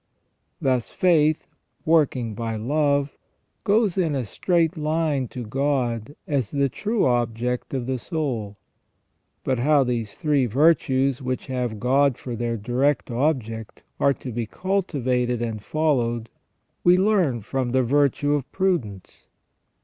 Thus faith working by love goes in a straight line to God as the true object of the soul. But how these three virtues which have God for their direct object are to be cultivated and followed, we learn from the virtue of prudence.